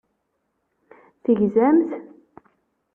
Tegzamt?